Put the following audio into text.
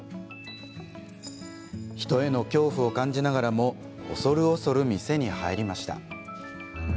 人への恐怖を感じながらも恐る恐る店に入りました。